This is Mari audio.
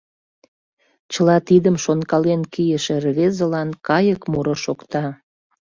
Чыла тидым шонкален кийыше рвезылан кайык муро шокта.